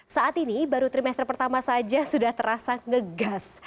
saat ini baru trimester pertama saja sudah terasa ngegas